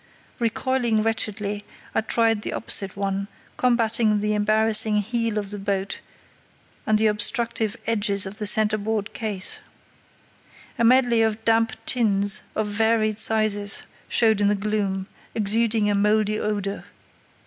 Recoiling wretchedly, I tried the opposite one, combating the embarrassing heel of the boat and the obstructive edges of the centreboard case. A medley of damp tins of varied sizes showed in the gloom, exuding a mouldy odour.